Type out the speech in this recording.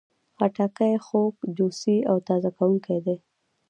خټکی خوږ، جوسي او تازه کوونکی دی.